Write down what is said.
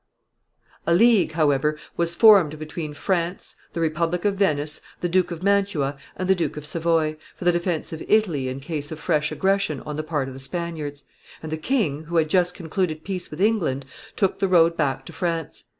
] A league, however, was formed between France, the republic of Venice, the Duke of Mantua, and the Duke of Savoy, for the defence of Italy in case of fresh aggression on the part of the Spaniards; and the king, who had just concluded peace with England, took the road back to France.